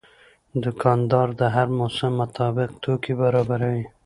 دوکاندار د هر موسم مطابق توکي برابروي.